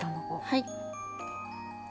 はい。